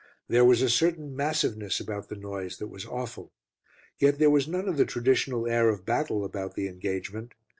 There was a certain massiveness about the noise that was awful. Yet there was none of the traditional air of battle about the engagement.